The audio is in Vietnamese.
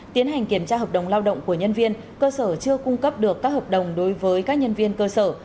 tiến hành kiểm tra hợp đồng lao động của nhân viên cơ sở chưa cung cấp được các hợp đồng đối với các nhân viên cơ sở